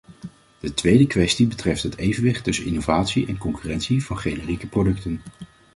De tweede kwestie betreft het evenwicht tussen innovatie en concurrentie van generieke producten.